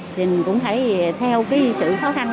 thì mình cũng thấy theo cái sự